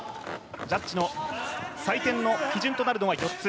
ジャッジの採点の基準となるのは４つ。